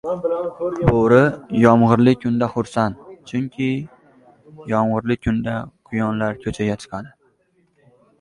• Bo‘ri yomg‘irli kundan xursand.